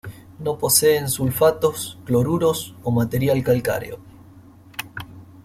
No poseen sulfatos, cloruros, o material calcáreo.